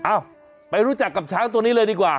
เอ้าไปรู้จักกับช้างตัวนี้เลยดีกว่า